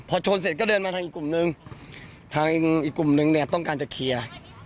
พอชนเสร็จก็เดินมาทางอีกกลุ่มนึงทางอีกกลุ่มนึงเนี่ยต้องการจะเคลียร์